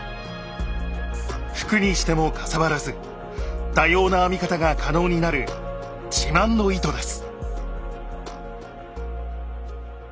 服にしてもかさばらず多様な編み方が可能になる自慢の糸です。